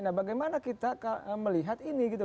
nah bagaimana kita melihat ini gitu